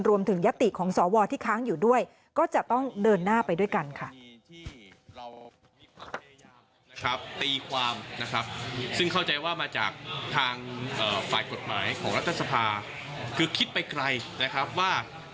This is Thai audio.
ยติของสวที่ค้างอยู่ด้วยก็จะต้องเดินหน้าไปด้วยกันค่ะ